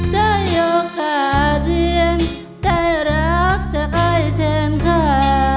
ได้โอกาสเรียนได้รักแต่อายเทรนขา